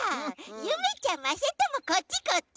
ゆめちゃんまさともこっちこっち！